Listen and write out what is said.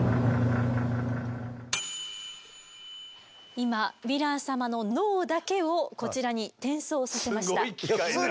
今ヴィラン様の脳だけをこちらに転送させました。